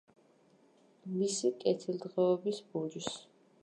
მისი კეთილდღეობის ბურჯს.